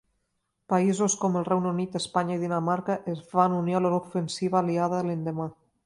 Països com el Regne Unit, Espanya i Dinamarca es van unir a l'ofensiva aliada l'endemà.